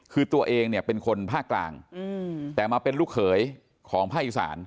คือตัวเองเนี่ยเป็นคนภาคกลางแต่มาเป็นลูกเขยของภาคอีสาน